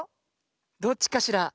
どっちかしら？